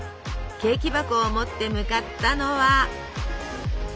ケーキ箱を持って向かったのは。